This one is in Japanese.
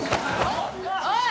おい！